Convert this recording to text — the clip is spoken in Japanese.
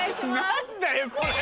何だよこれ！